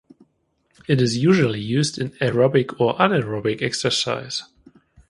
It is usually used in aerobic or anaerobic exercise.